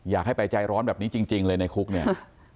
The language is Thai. อยากให้ไปใจร้อนแบบนี้จริงเลยในคุกเนี่ย